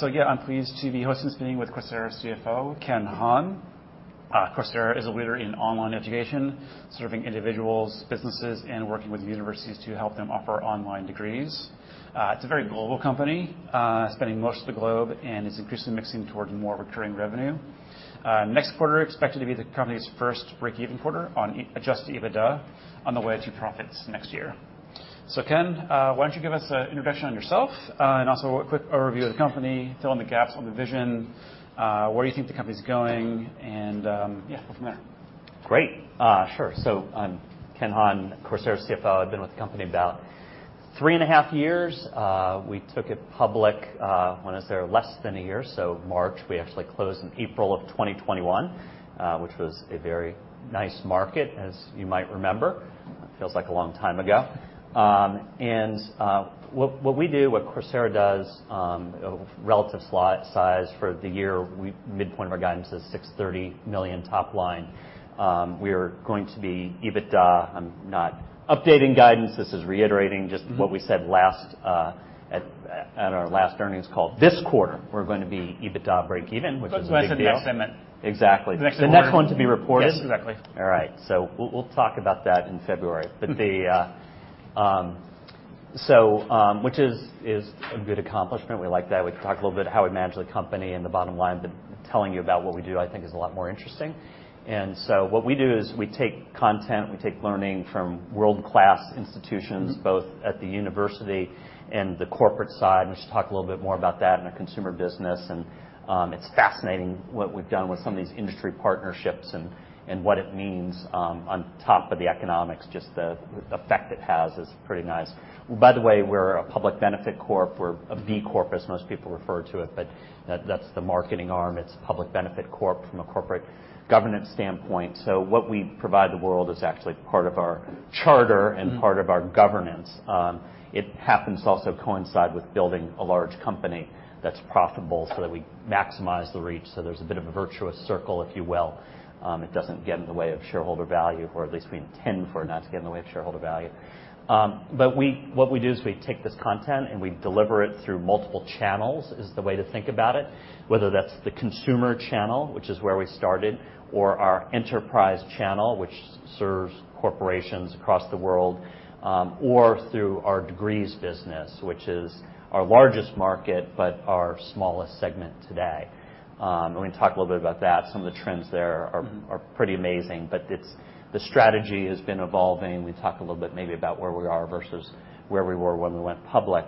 So yeah, I'm pleased to be hosting this meeting with Coursera's CFO, Ken Hahn. Coursera is a leader in online education, serving individuals, businesses, and working with universities to help them offer online degrees. It's a very global company, spanning most of the globe, and is increasingly moving towards more recurring revenue. Next quarter expected to be the company's first break-even quarter on adjusted EBITDA on the way to profits next year. So Ken, why don't you give us an introduction on yourself, and also a quick overview of the company, fill in the gaps on the vision, where you think the company's going, and, yeah, we'll go from there. Great. Sure. So I'm Ken Hahn, Coursera's CFO. I've been with the company about three and a half years. We took it public, when I was there less than a year, so March, we actually closed in April of 2021, which was a very nice market, as you might remember. It feels like a long time ago. And, what we do, what Coursera does, relative size for the year, midpoint of our guidance is $630 million top line. We are going to be EBITDA. I'm not updating guidance, this is reiterating just- Mm-hmm... what we said last at our last earnings call. This quarter, we're going to be EBITDA breakeven, which is a big deal. That's what I said next, I meant. Exactly. The next quarter. The next one to be reported? Yes, exactly. All right, so we'll, we'll talk about that in February. Mm-hmm. So, which is a good accomplishment. We like that. We can talk a little bit how we manage the company and the bottom line, but telling you about what we do, I think, is a lot more interesting. And so what we do is we take content, we take learning from world-class institutions- Mm-hmm... both at the university and the corporate side, and we should talk a little bit more about that in the consumer business. And, it's fascinating what we've done with some of these industry partnerships and, and what it means, on top of the economics, just the effect it has is pretty nice. By the way, we're a public benefit corp. We're a B Corp, as most people refer to it, but that- that's the marketing arm. It's a public benefit corp from a corporate governance standpoint. So what we provide the world is actually part of our charter- Mm-hmm... and part of our governance. It happens to also coincide with building a large company that's profitable so that we maximize the reach, so there's a bit of a virtuous circle, if you will. It doesn't get in the way of shareholder value, or at least we intend for it not to get in the way of shareholder value. But what we do is we take this content and we deliver it through multiple channels, is the way to think about it. Whether that's the consumer channel, which is where we started, or our enterprise channel, which serves corporations across the world, or through our degrees business, which is our largest market, but our smallest segment today. And we can talk a little bit about that. Some of the trends there are- Mm-hmm... are pretty amazing, but it's the strategy has been evolving. We talk a little bit maybe about where we are versus where we were when we went public.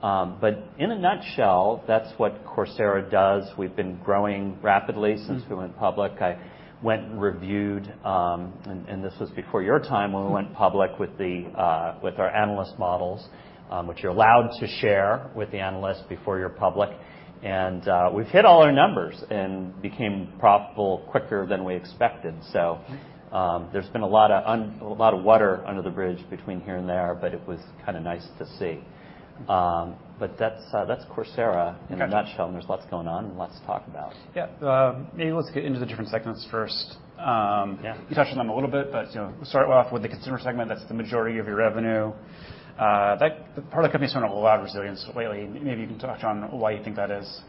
But in a nutshell, that's what Coursera does. We've been growing rapidly since- Mm-hmm... we went public. I went and reviewed, and this was before your time, when we went public with our analyst models, which you're allowed to share with the analyst before you're public. And, we've hit all our numbers and became profitable quicker than we expected. So- Mm-hmm... there's been a lot of a lot of water under the bridge between here and there, but it was kinda nice to see. But that's, that's Coursera in a nutshell. Got you. There's lots going on and lots to talk about. Yeah. Maybe let's get into the different segments first. Yeah. You touched on them a little bit, but, you know, start off with the consumer segment. That's the majority of your revenue. That part of the company has shown a lot of resilience lately. Maybe you can touch on why you think that is.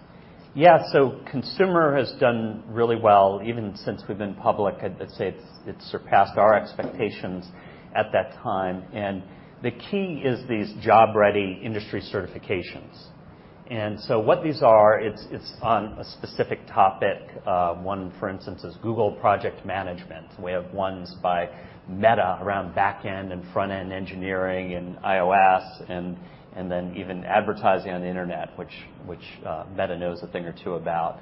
Yeah, so consumer has done really well, even since we've been public. I'd say it's surpassed our expectations at that time. And the key is these job-ready industry certifications. And so what these are, it's on a specific topic. One, for instance, is Google Project Management. We have ones by Meta around back-end and front-end engineering and iOS, and then even advertising on the Internet, which Meta knows a thing or two about.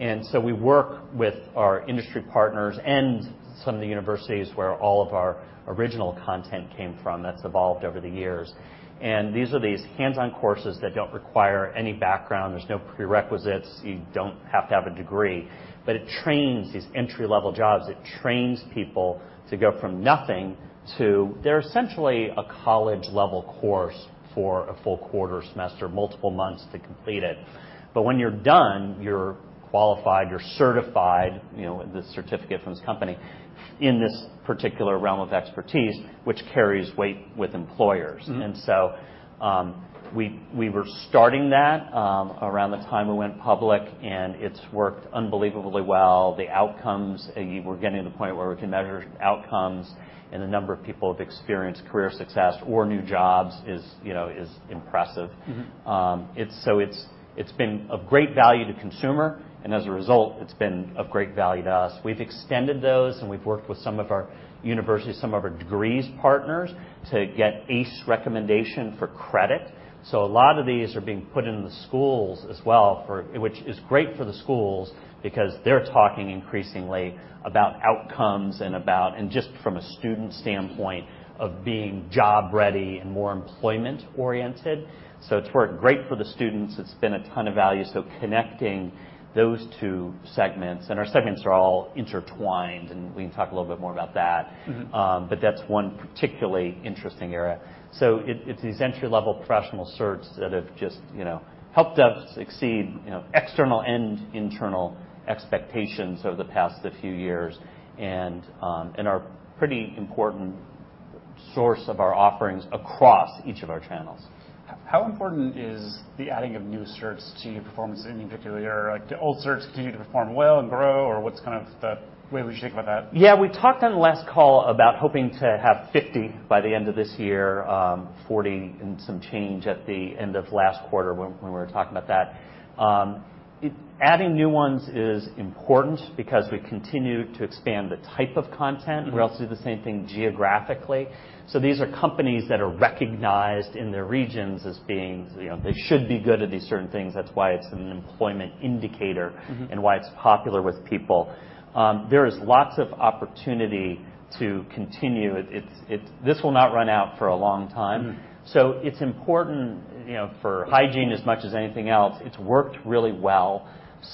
And so we work with our industry partners and some of the universities where all of our original content came from. That's evolved over the years. And these are these hands-on courses that don't require any background. There's no prerequisites. You don't have to have a degree, but it trains these entry-level jobs. It trains people to go from nothing to... They're essentially a college-level course for a full quarter semester, multiple months to complete it. But when you're done, you're qualified, you're certified, you know, with the certificate from this company, in this particular realm of expertise, which carries weight with employers. Mm-hmm. And so, we were starting that around the time we went public, and it's worked unbelievably well. The outcomes, we're getting to the point where we can measure outcomes, and the number of people who have experienced career success or new jobs is, you know, is impressive. Mm-hmm. So it's been of great value to consumer, and as a result, it's been of great value to us. We've extended those, and we've worked with some of our universities, some of our degrees partners, to get ACE recommendation for credit. So a lot of these are being put in the schools as well, which is great for the schools because they're talking increasingly about outcomes and about... And just from a student standpoint, of being job-ready and more employment-oriented. So it's worked great for the students. It's been a ton of value. So connecting those two segments, and our segments are all intertwined, and we can talk a little bit more about that. Mm-hmm. But that's one particularly interesting area. So it, it's these entry-level professional certs that have just, you know, helped us exceed, you know, external and internal expectations over the past few years and, and are pretty important source of our offerings across each of our channels. How important is the adding of new certs to your performance in particular? Like, do old certs continue to perform well and grow, or what's kind of the way we should think about that? Yeah, we talked on the last call about hoping to have 50 by the end of this year, 40 and some change at the end of last quarter when we were talking about that. Adding new ones is important because we continue to expand the type of content. Mm-hmm. We also do the same thing geographically. So these are companies that are recognized in their regions as being, you know, they should be good at these certain things. That's why it's an employment indicator. Mm-hmm... and why it's popular with people. There is lots of opportunity to continue. This will not run out for a long time. Mm. So it's important, you know, for hygiene as much as anything else. It's worked really well.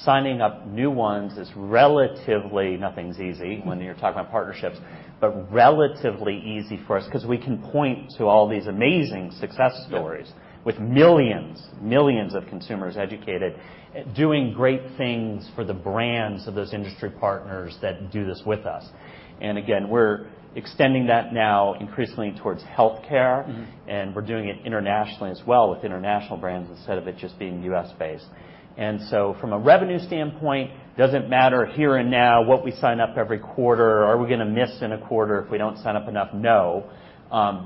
Signing up new ones is relatively... Nothing's easy- Mm ...when you're talking about partnerships, but relatively easy for us because we can point to all these amazing success stories- Yeah... with millions, millions of consumers educated, doing great things for the brands of those industry partners that do this with us. And again, we're extending that now increasingly towards healthcare. Mm-hmm. We're doing it internationally as well, with international brands, instead of it just being U.S.-based. So from a revenue standpoint, doesn't matter here and now what we sign up every quarter. Are we going to miss in a quarter if we don't sign up enough? No.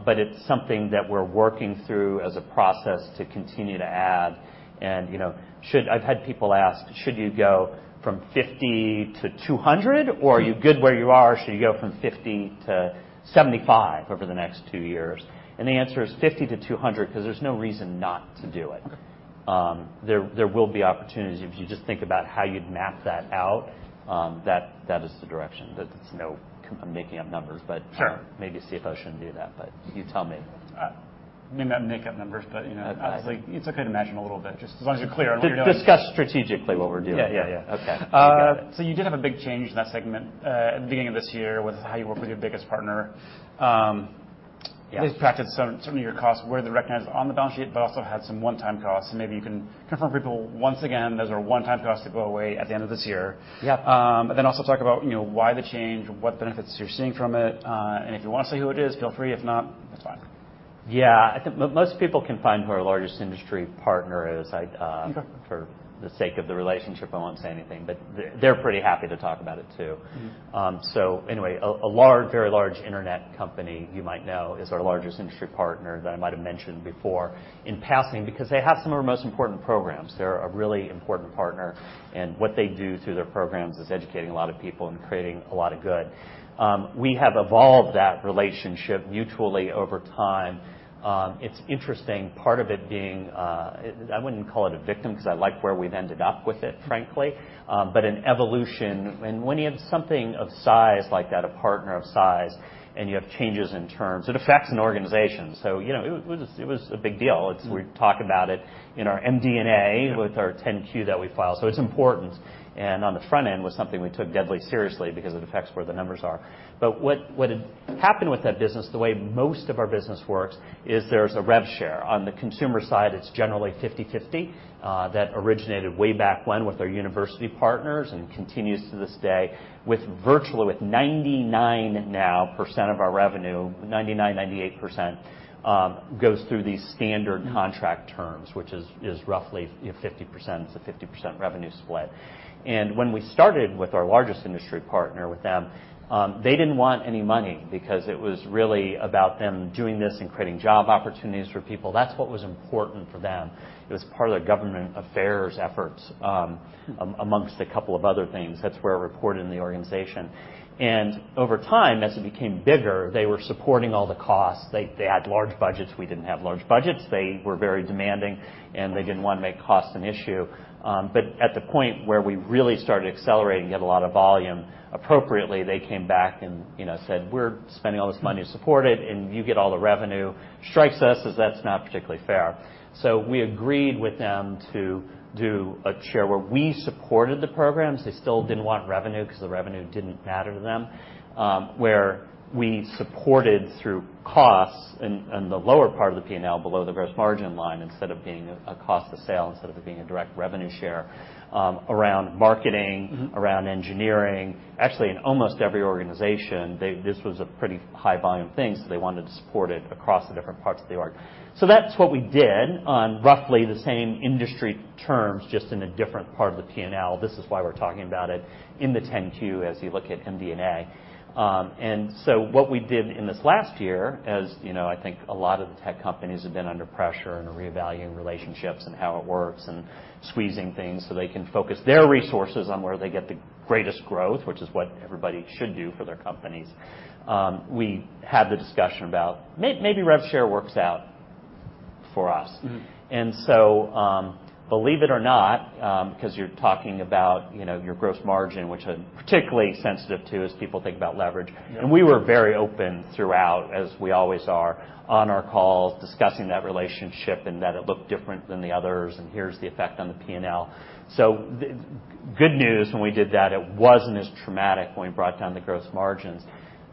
But it's something that we're working through as a process to continue to add. You know, I've had people ask: Should you go from 50 to 200? Mm. Are you good where you are, should you go from $50-$75 over the next 2 years? The answer is $50-$200, because there's no reason not to do it. Okay. There will be opportunities. If you just think about how you'd map that out, that is the direction. I'm making up numbers, but- Sure. Maybe CFO shouldn't do that, but you tell me. Maybe not make up numbers, but, you know- Okay... it's okay to imagine a little bit, just as long as you're clear on what you're doing. Discuss strategically what we're doing. Yeah. Yeah, yeah. Okay. You got it. So you did have a big change in that segment, at the beginning of this year with how you work with your biggest partner. Yeah. This practice, some of your costs were recognized on the balance sheet, but also had some one-time costs. So maybe you can confirm for people, once again, those are one-time costs that go away at the end of this year. Yep. But then also talk about, you know, why the change, what benefits you're seeing from it. And if you want to say who it is, feel free. If not, that's fine. Yeah. I think most people can find who our largest industry partner is. I, Okay... for the sake of the relationship, I won't say anything, but they're pretty happy to talk about it, too. Mm-hmm. So anyway, a large, very large internet company, you might know, is our largest industry partner that I might have mentioned before in passing, because they have some of our most important programs. They're a really important partner, and what they do through their programs is educating a lot of people and creating a lot of good. We have evolved that relationship mutually over time. It's interesting, part of it being, I wouldn't call it a victim, because I like where we've ended up with it, frankly, but an evolution. And when you have something of size like that, a partner of size, and you have changes in terms, it affects an organization. So, you know, it was, it was a big deal. Mm-hmm. We talked about it in our MD&A- Yeah ...with our 10-Q that we filed, so it's important. And on the front end, was something we took deadly seriously because it affects where the numbers are. But what had happened with that business, the way most of our business works, is there's a rev share. On the consumer side, it's generally 50/50. That originated way back when with our university partners and continues to this day, with virtually 99% now of our revenue, 99-98%, goes through these standard contract terms- Mm... which is roughly 50%. It's a 50% revenue split. And when we started with our largest industry partner, with them, they didn't want any money because it was really about them doing this and creating job opportunities for people. That's what was important for them. It was part of the government affairs efforts. Mm... amongst a couple of other things. That's where it reported in the organization. And over time, as it became bigger, they were supporting all the costs. They had large budgets. We didn't have large budgets. They were very demanding, and they didn't want to make cost an issue. But at the point where we really started accelerating and get a lot of volume, appropriately, they came back and, you know, said, "We're spending all this money to support it, and you get all the revenue. Strikes us as that's not particularly fair." So we agreed with them to do a share where we supported the programs. They still didn't want revenue because the revenue didn't matter to them. Where we supported through costs and the lower part of the P&L, below the gross margin line, instead of being a cost of sale, instead of it being a direct revenue share, around marketing- Mm-hmm... around engineering. Actually, in almost every organization, they, this was a pretty high volume thing, so they wanted to support it across the different parts of the org. So that's what we did on roughly the same industry terms, just in a different part of the P&L. This is why we're talking about it in the 10-Q, as you look at MD&A. And so what we did in this last year, as you know, I think a lot of the tech companies have been under pressure and are reevaluating relationships and how it works and squeezing things so they can focus their resources on where they get the greatest growth, which is what everybody should do for their companies. We had the discussion about maybe rev share works out… for us. Mm-hmm. Believe it or not, 'cause you're talking about, you know, your gross margin, which I'm particularly sensitive to, as people think about leverage. Yeah. And we were very open throughout, as we always are on our calls, discussing that relationship and that it looked different than the others, and here's the effect on the P&L. So the good news, when we did that, it wasn't as traumatic when we brought down the gross margins.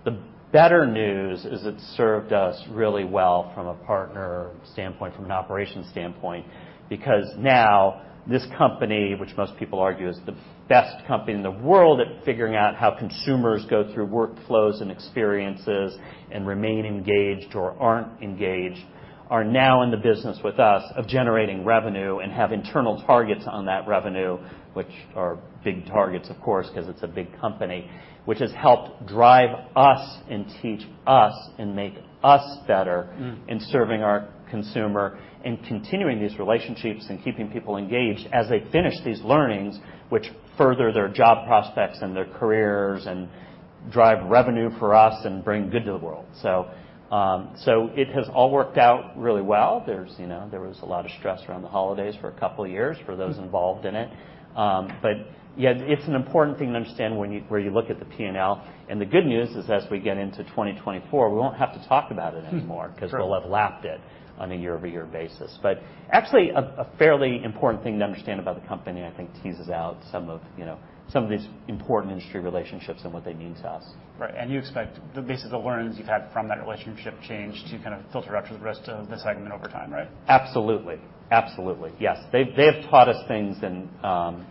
The better news is it served us really well from a partner standpoint, from an operations standpoint, because now this company, which most people argue is the best company in the world at figuring out how consumers go through workflows and experiences and remain engaged or aren't engaged, are now in the business with us of generating revenue and have internal targets on that revenue, which are big targets, of course, 'cause it's a big company, which has helped drive us and teach us and make us better. Mm. in serving our consumer and continuing these relationships and keeping people engaged as they finish these learnings, which further their job prospects and their careers and drive revenue for us and bring good to the world. So, so it has all worked out really well. You know, there was a lot of stress around the holidays for a couple of years for those involved in it. But yet, it's an important thing to understand when you, where you look at the P&L. And the good news is, as we get into 2024, we won't have to talk about it anymore- Mm. Sure. 'Cause we'll have lapped it on a year-over-year basis. But actually, a fairly important thing to understand about the company, I think, teases out some of, you know, some of these important industry relationships and what they mean to us. Right. You expect the basis of learnings you've had from that relationship change to kind of filter up to the rest of the segment over time, right? Absolutely. Absolutely. Yes. They've, they have taught us things and,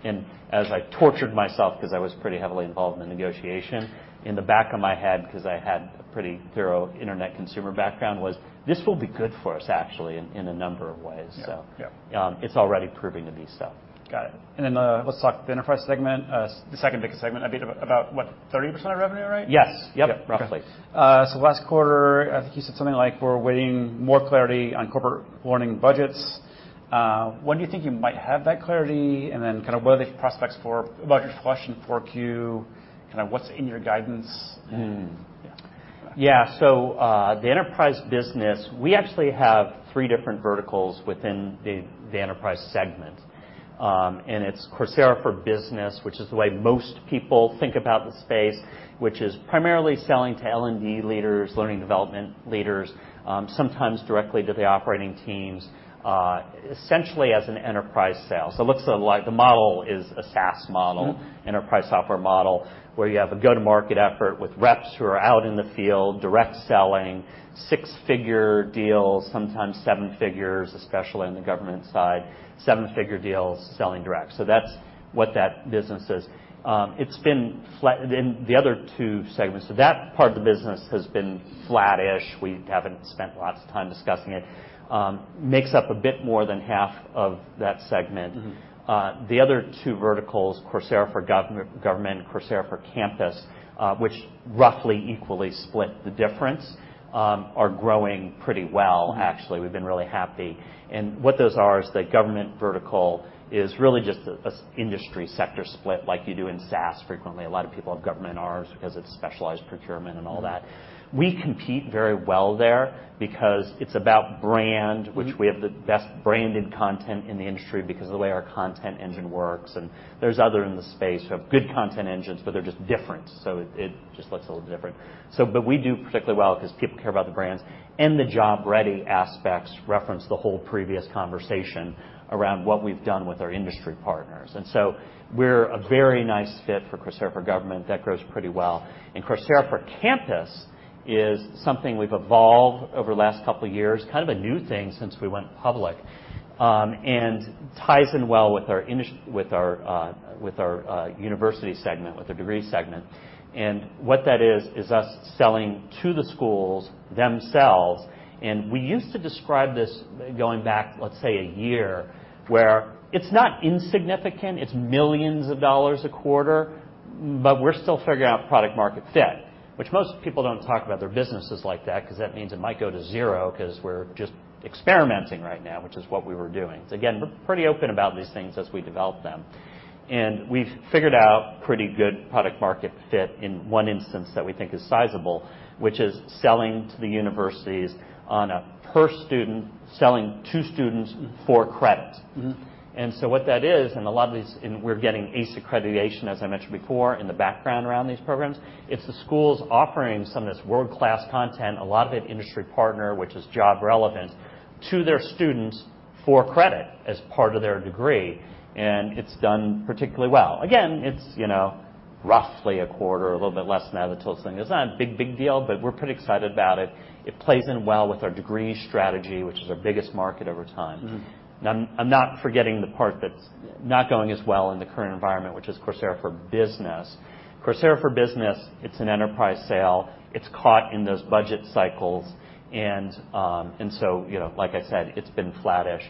and as I tortured myself because I was pretty heavily involved in the negotiation, in the back of my head, because I had a pretty thorough internet consumer background, was, "This will be good for us, actually, in, in a number of ways. Yeah. Yeah. So, it's already proving to be so. Got it. And then, let's talk the enterprise segment, the second biggest segment, I believe, about, what, 30% of revenue, right? Yes. Yep. Yeah. Roughly. So last quarter, I think you said something like, "We're awaiting more clarity on corporate learning budgets." When do you think you might have that clarity? And then kind of what are the prospects for budget flush in 4Q? Kind of what's in your guidance? Hmm. Yeah. Yeah. So, the enterprise business, we actually have three different verticals within the enterprise segment. And it's Coursera for Business, which is the way most people think about the space, which is primarily selling to L&D leaders, learning development leaders, sometimes directly to the operating teams, essentially as an enterprise sale. So it looks like the model is a SaaS model- Mm. - enterprise software model, where you have a go-to-market effort with reps who are out in the field, direct selling, six-figure deals, sometimes seven figures, especially in the government side, seven-figure deals selling direct. So that's what that business is. It's been flat. In the other two segments, so that part of the business has been flattish. We haven't spent lots of time discussing it. Makes up a bit more than half of that segment. Mm-hmm. The other two verticals, Coursera for Gov-Government, Coursera for Campus, which roughly equally split the difference, are growing pretty well, actually. Mm. We've been really happy. What those are is the government vertical is really just a industry sector split like you do in SaaS. Frequently, a lot of people have government RFP's because it's specialized procurement and all that. Mm. We compete very well there because it's about brand- Mm. which we have the best branded content in the industry because of the way our content engine works, and there's other in the space who have good content engines, but they're just different, so it just looks a little different. But we do particularly well because people care about the brands, and the job-ready aspects reference the whole previous conversation around what we've done with our industry partners. And so we're a very nice fit for Coursera for Government. That grows pretty well. And Coursera for Campus is something we've evolved over the last couple of years, kind of a new thing since we went public, and ties in well with our university segment, with our degree segment. What that is, is us selling to the schools themselves, and we used to describe this going back, let's say, a year, where it's not insignificant, it's $ millions a quarter, but we're still figuring out product market fit, which most people don't talk about their businesses like that, 'cause that means it might go to zero, 'cause we're just experimenting right now, which is what we were doing. Again, we're pretty open about these things as we develop them. We've figured out pretty good product market fit in one instance that we think is sizable, which is selling to the universities on a per student, selling to students for credit. Mm-hmm. So what that is, and a lot of these, and we're getting ACE accreditation, as I mentioned before, in the background around these programs. It's the schools offering some of this world-class content, a lot of it industry partner, which is job relevant to their students for credit as part of their degree, and it's done particularly well. Again, it's, you know, roughly a quarter, a little bit less than that. It's not a big, big deal, but we're pretty excited about it. It plays in well with our degree strategy, which is our biggest market over time. Mm-hmm. Now, I'm not forgetting the part that's not going as well in the current environment, which is Coursera for Business. Coursera for Business, it's an enterprise sale. It's caught in those budget cycles, and so, you know, like I said, it's been flattish.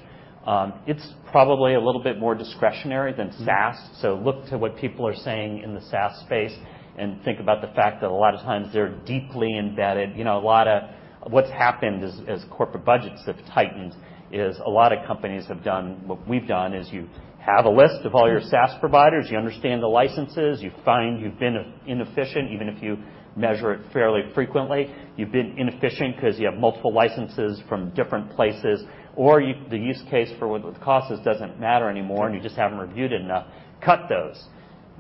It's probably a little bit more discretionary than SaaS- Mm. So look to what people are saying in the SaaS space and think about the fact that a lot of times they're deeply embedded. You know, a lot of what's happened as, as corporate budgets have tightened, is a lot of companies have done... What we've done is you have a list of all your SaaS providers, you understand the licenses, you find you've been inefficient, even if you measure it fairly frequently. You've been inefficient 'cause you have multiple licenses from different places, or you, the use case for what the cost is doesn't matter anymore, and you just haven't reviewed it enough. Cut those....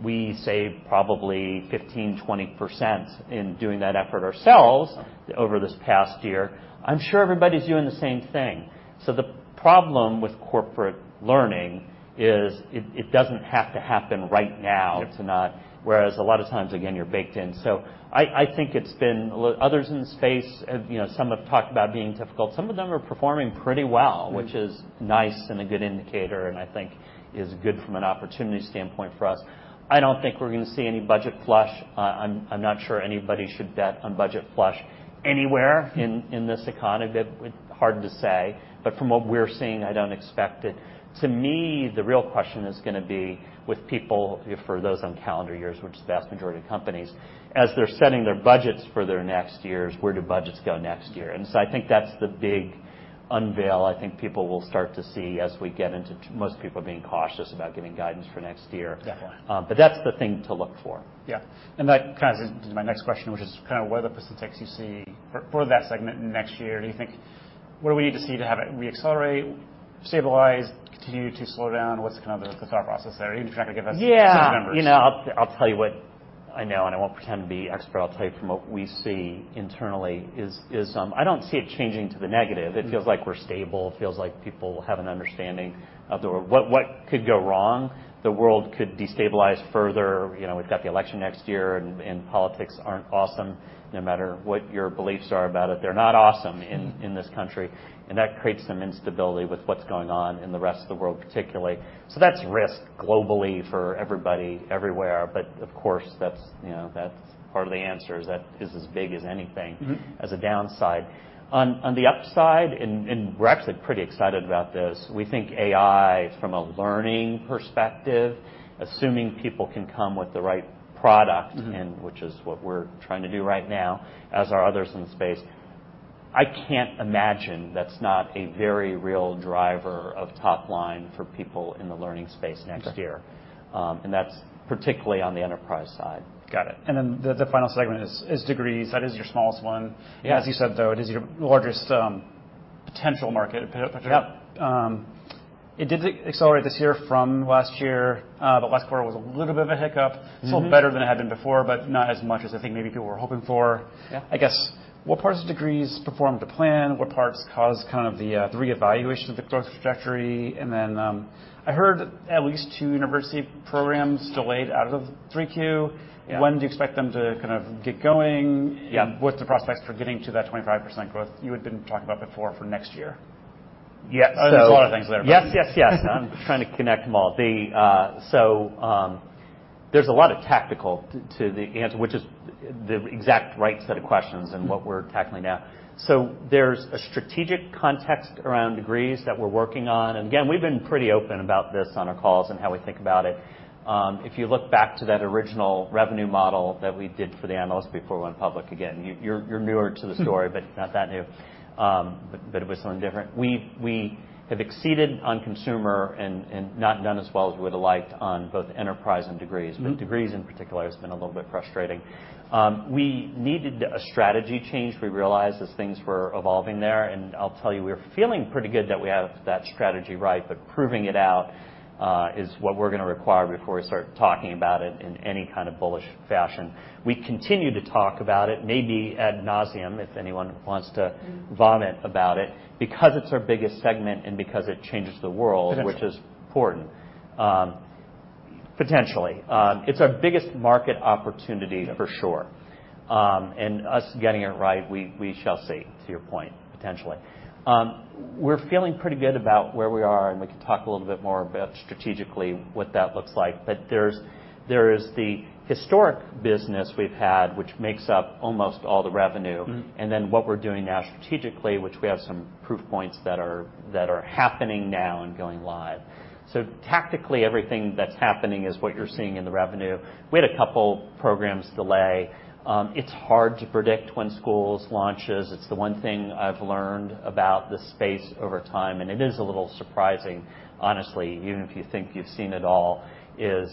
We saved probably 15%-20% in doing that effort ourselves over this past year. I'm sure everybody's doing the same thing. So the problem with corporate learning is it, it doesn't have to happen right now. It's not. Whereas a lot of times, again, you're baked in. So I, I think it's been— others in the space, you know, some have talked about being difficult. Some of them are performing pretty well- Mm-hmm. -which is nice and a good indicator, and I think is good from an opportunity standpoint for us. I don't think we're gonna see any budget flush. I'm not sure anybody should bet on budget flush anywhere in this economy, but hard to say. But from what we're seeing, I don't expect it. To me, the real question is gonna be with people, for those on calendar years, which is the vast majority of companies, as they're setting their budgets for their next years, where do budgets go next year? And so I think that's the big unveil I think people will start to see as we get into-- most people are being cautious about giving guidance for next year. Definitely. That's the thing to look for. Yeah. And that kind of is my next question, which is kind of what are the specifics you see for, for that segment next year? Do you think... What do we need to see to have it reaccelerate, stabilize, continue to slow down? What's kind of the, the thought process there? Even if you're not gonna give us- Yeah. Some numbers. You know, I'll tell you what I know, and I won't pretend to be expert, but I'll tell you from what we see internally, I don't see it changing to the negative. Mm-hmm. It feels like we're stable. It feels like people have an understanding of the world. What, what could go wrong? The world could destabilize further. You know, we've got the election next year, and, and politics aren't awesome. No matter what your beliefs are about it, they're not awesome in, in this country, and that creates some instability with what's going on in the rest of the world, particularly. So that's risk globally for everybody, everywhere. But of course, that's, you know, that's part of the answer, is that is as big as anything- Mm-hmm. as a downside. On the upside, we're actually pretty excited about this, we think AI, from a learning perspective, assuming people can come with the right product- Mm-hmm. and which is what we're trying to do right now, as are others in the space, I can't imagine that's not a very real driver of top line for people in the learning space next year. Okay. That's particularly on the enterprise side. Got it. And then the final segment is degrees. That is your smallest one. Yeah. As you said, though, it is your largest potential market. Yep. It did accelerate this year from last year. But last quarter was a little bit of a hiccup. Mm-hmm. Still better than it had been before, but not as much as I think maybe people were hoping for. Yeah. I guess, what parts of degrees performed to plan? What parts caused kind of the reevaluation of the growth trajectory? And then, I heard at least two university programs delayed out of the three Q. Yeah. When do you expect them to kind of get going? Yeah. What's the prospects for getting to that 25% growth you had been talking about before for next year? Yeah, so- There's a lot of things there. Yes, yes, yes. I'm trying to connect them all. The... So, there's a lot of tactical to the answer, which is the exact right set of questions and what we're tackling now. So there's a strategic context around degrees that we're working on. And again, we've been pretty open about this on our calls and how we think about it. If you look back to that original revenue model that we did for the analysts before we went public again, you're newer to the story- Mm. But not that new, but it was something different. We have exceeded on consumer and not done as well as we'd have liked on both enterprise and degrees. Mm. But degrees in particular has been a little bit frustrating. We needed a strategy change, we realized, as things were evolving there, and I'll tell you, we're feeling pretty good that we have that strategy right, but proving it out, is what we're gonna require before we start talking about it in any kind of bullish fashion. We continue to talk about it, maybe ad nauseam, if anyone wants to vomit about it, because it's our biggest segment and because it changes the world- Potentially. -which is important. Potentially. It's our biggest market opportunity- Yeah. -for sure. And us getting it right, we shall see, to your point, potentially. We're feeling pretty good about where we are, and we can talk a little bit more about strategically what that looks like. But there's the historic business we've had, which makes up almost all the revenue. Mm-hmm. Then what we're doing now strategically, which we have some proof points that are happening now and going live. So tactically, everything that's happening is what you're seeing in the revenue. We had a couple programs delay. It's hard to predict when schools launches. It's the one thing I've learned about this space over time, and it is a little surprising, honestly, even if you think you've seen it all, is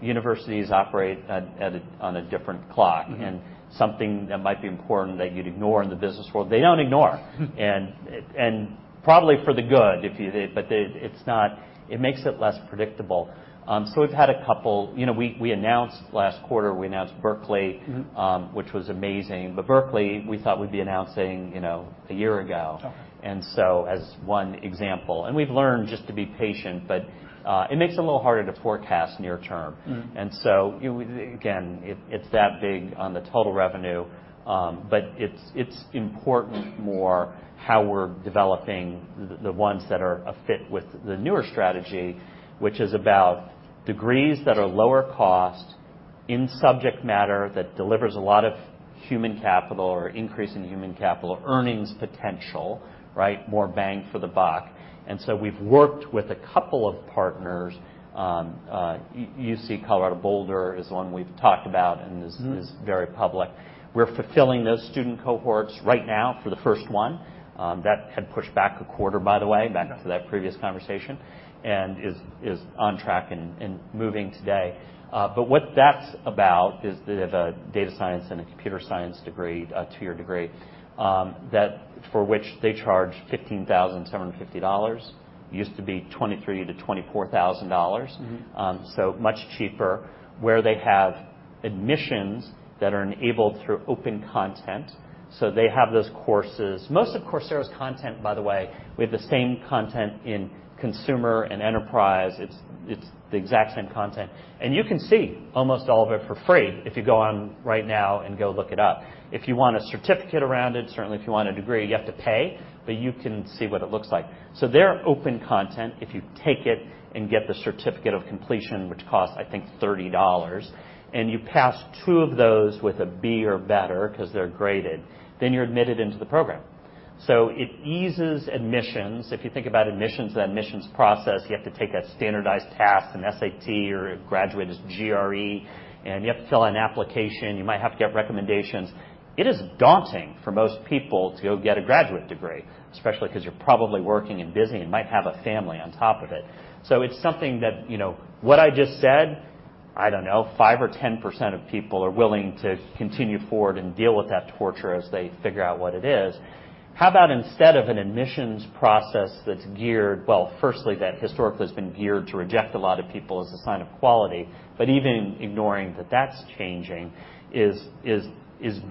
universities operate at a on a different clock. Mm-hmm. Something that might be important that you'd ignore in the business world, they don't ignore. Mm. And probably for the good, if you... But they, it's not—it makes it less predictable. So we've had a couple... You know, we announced last quarter, we announced Berkeley— Mm-hmm. which was amazing, but Berkeley, we thought we'd be announcing, you know, a year ago. Sure. And so, as one example, and we've learned just to be patient, but it makes it a little harder to forecast near term. Mm-hmm. And so, again, it's that big on the total revenue, but it's important more how we're developing the ones that are a fit with the newer strategy, which is about degrees that are lower cost, in subject matter that delivers a lot of human capital or increase in human capital, earnings potential, right? More bang for the buck. And so we've worked with a couple of partners, UC Colorado Boulder is one we've talked about- Mm-hmm. And is very public. We're fulfilling those student cohorts right now for the first one. That had pushed back a quarter, by the way. Okay. Back to that previous conversation, and is on track and moving today. But what that's about is they have a data science and a computer science degree, a two-year degree, that for which they charge $15,750. Used to be $23,000-$24,000. Mm-hmm. So much cheaper, where they have admissions that are enabled through open content, so they have those courses. Most of Coursera's content, by the way, we have the same content in consumer and enterprise. It's the exact same content, and you can see almost all of it for free if you go on right now and go look it up. If you want a certificate around it, certainly, if you want a degree, you have to pay, but you can see what it looks like. So their open content, if you take it and get the certificate of completion, which costs, I think, $30, and you pass 2 of those with a B or better, 'cause they're graded, then you're admitted into the program. So it eases admissions. If you think about admissions, the admissions process, you have to take a standardized test, an SAT or a GRE, and you have to fill out an application. You might have to get recommendations. It is daunting for most people to go get a graduate degree, especially because you're probably working and busy and might have a family on top of it. So it's something that, you know, what I just said, I don't know, 5%-10% of people are willing to continue forward and deal with that torture as they figure out what it is. How about instead of an admissions process that's geared, well, firstly, that historically has been geared to reject a lot of people as a sign of quality, but even ignoring that that's changing, is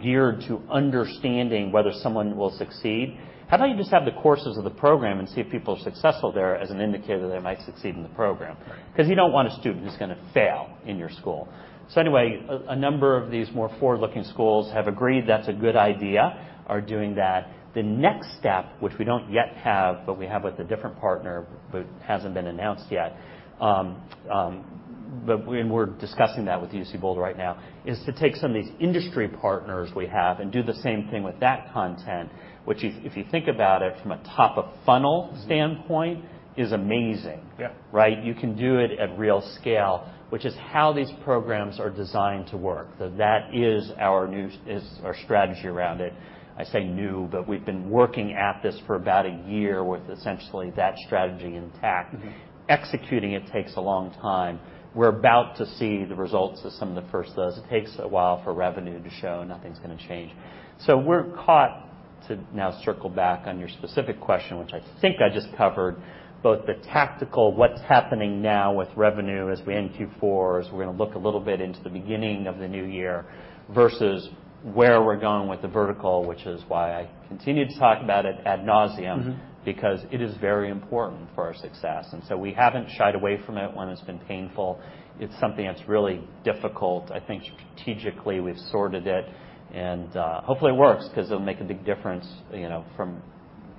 geared to understanding whether someone will succeed. How about you just have the courses of the program and see if people are successful there as an indicator they might succeed in the program? Right. 'Cause you don't want a student who's gonna fail in your school. So anyway, a number of these more forward-looking schools have agreed that's a good idea, are doing that. The next step, which we don't yet have, but we have with a different partner, but hasn't been announced yet, and we're discussing that with CU Boulder right now, is to take some of these industry partners we have and do the same thing with that content, which if you think about it from a top-of-funnel standpoint, is amazing. Yeah. Right? You can do it at real scale, which is how these programs are designed to work. So that is our new, is our strategy around it. I say new, but we've been working at this for about a year with essentially that strategy intact. Mm-hmm. Executing it takes a long time. We're about to see the results of some of the first of those. It takes a while for revenue to show, nothing's gonna change. So we're caught, to now circle back on your specific question, which I think I just covered, both the tactical, what's happening now with revenue as we end Q4, as we're going to look a little bit into the beginning of the new year, versus where we're going with the vertical, which is why I continue to talk about it ad nauseam- Mm-hmm. Because it is very important for our success, and so we haven't shied away from it when it's been painful. It's something that's really difficult. I think strategically, we've sorted it, and hopefully it works because it'll make a big difference, you know, from,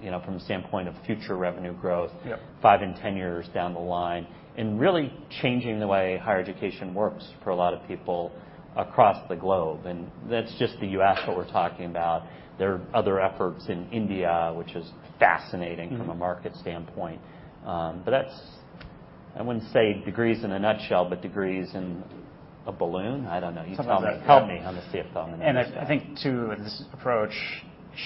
you know, from the standpoint of future revenue growth. Yeah... 5 and 10 years down the line, and really changing the way higher education works for a lot of people across the globe. And that's just the U.S., what we're talking about. There are other efforts in India, which is fascinating- Mm. -from a market standpoint. But that's... I wouldn't say degrees in a nutshell, but degrees in a balloon? I don't know. Something like that. You tell me. Help me. I'm the CFO. I think, too, this approach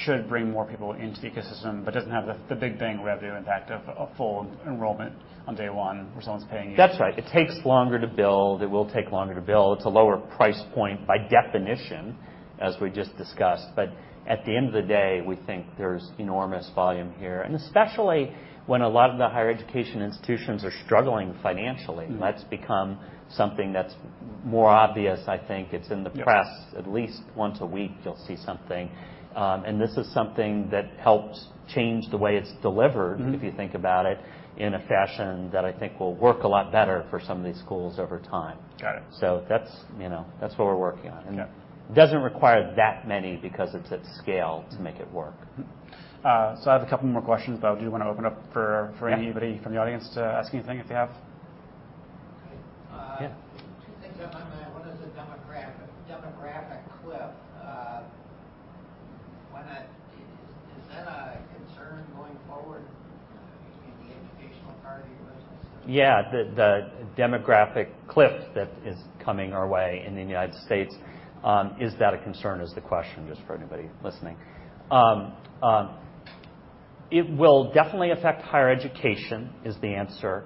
should bring more people into the ecosystem, but doesn't have the big bang revenue impact of a full enrollment on day one, where someone's paying you. That's right. It takes longer to build. It will take longer to build. It's a lower price point by definition, as we just discussed. But at the end of the day, we think there's enormous volume here, and especially when a lot of the higher education institutions are struggling financially. Mm. That's become something that's more obvious. I think it's in the press. Yeah. At least once a week, you'll see something. And this is something that helps change the way it's delivered- Mm-hmm If you think about it, in a fashion that I think will work a lot better for some of these schools over time. Got it. That's, you know, that's what we're working on. Yeah. It doesn't require that many because it's at scale to make it work. Mm-hmm. So I have a couple more questions, but I do want to open up for, for anybody- Yeah From the audience to ask anything, if you have. Uh- Yeah. Two things on my mind. One is the Demographic Cliff. Is that a concern going forward in the educational part of your business? Yeah, the Demographic Cliff that is coming our way in the United States, is that a concern, is the question, just for anybody listening. It will definitely affect higher education, is the answer.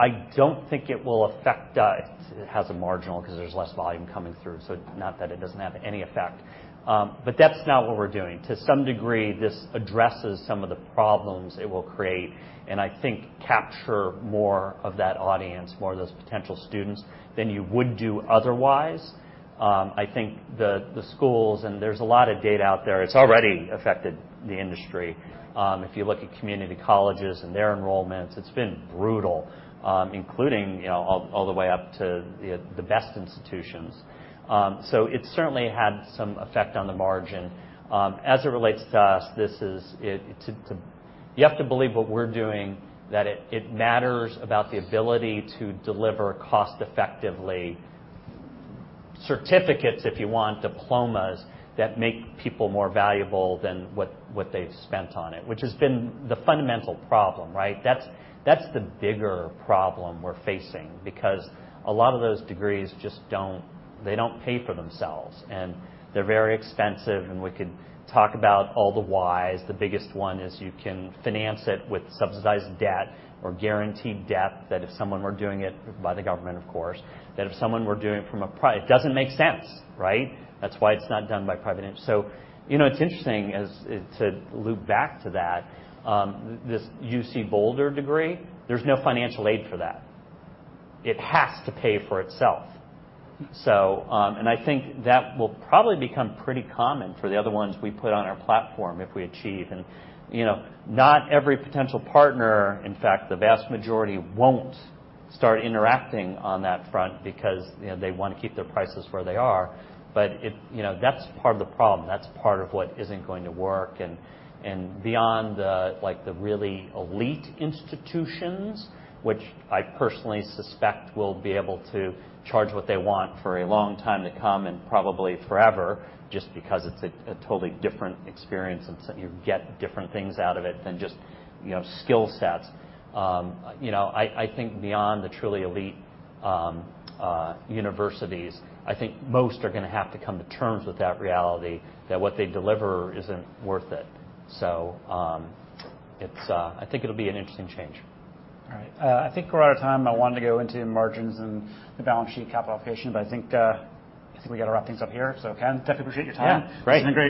I don't think it will affect, it has a marginal because there's less volume coming through, so not that it doesn't have any effect. But that's not what we're doing. To some degree, this addresses some of the problems it will create, and I think capture more of that audience, more of those potential students than you would do otherwise. I think the schools, and there's a lot of data out there, it's already affected the industry. If you look at community colleges and their enrollments, it's been brutal, including, you know, all the way up to the best institutions. So it certainly had some effect on the margin. As it relates to us, you have to believe what we're doing, that it matters about the ability to deliver cost-effectively certificates, if you want, diplomas, that make people more valuable than what they've spent on it, which has been the fundamental problem, right? That's the bigger problem we're facing, because a lot of those degrees just don't, they don't pay for themselves, and they're very expensive, and we could talk about all the whys. The biggest one is you can finance it with subsidized debt or guaranteed debt, that if someone were doing it by the government, of course, that if someone were doing it from a private - it doesn't make sense, right? That's why it's not done by private industry. So, you know, it's interesting as, to loop back to that, this UC Boulder degree, there's no financial aid for that. It has to pay for itself. So, and I think that will probably become pretty common for the other ones we put on our platform, if we achieve. And, you know, not every potential partner, in fact, the vast majority, won't start interacting on that front because, you know, they want to keep their prices where they are, but it, you know, that's part of the problem. That's part of what isn't going to work, and beyond the, like, the really elite institutions, which I personally suspect will be able to charge what they want for a long time to come, and probably forever, just because it's a totally different experience, and so you get different things out of it than just, you know, skill sets. You know, I think beyond the truly elite universities, I think most are gonna have to come to terms with that reality, that what they deliver isn't worth it. So, it's... I think it'll be an interesting change. All right. I think we're out of time. I wanted to go into margins and the balance sheet capital allocation, but I think, I think we got to wrap things up here. So Ken, definitely appreciate your time. Yeah, great. It's been great.